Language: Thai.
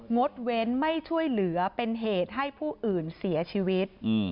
ดเว้นไม่ช่วยเหลือเป็นเหตุให้ผู้อื่นเสียชีวิต